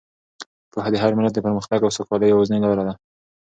پوهه د هر ملت د پرمختګ او سوکالۍ یوازینۍ لاره ده.